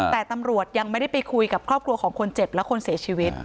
แต่ตำรวจยังไม่ได้ไปคุยกับครอบครัวของคนเจ็บและคนเสียชีวิต